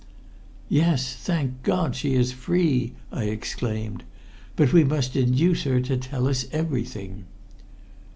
"Yes. Thank God she is free!" I exclaimed. "But we must induce her to tell us everything."